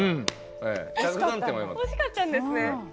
惜しかったんですね。